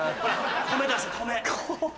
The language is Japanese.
米出せ米。